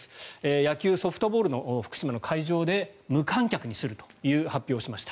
野球・ソフトボールの福島の会場で無観客にするという発表をしました。